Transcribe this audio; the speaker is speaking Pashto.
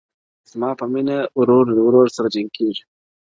زما په مینه ورور له ورور سره جنګیږي؛